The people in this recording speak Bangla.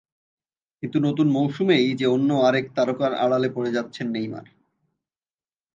কিন্তু নতুন মৌসুমেই যে অন্য আরেক তারকার আড়ালে পড়ে যাচ্ছেন নেইমার।